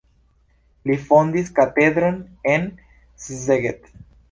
Li fondis katedron en Szeged.